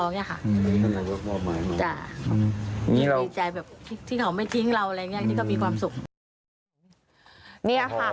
จ้ะดีใจแบบที่เขาไม่ทิ้งเราที่เขามีความสุข